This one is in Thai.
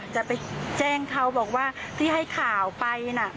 จะไปแจ้งเขาบอกว่าที่ให้ข่าวไปน่ะ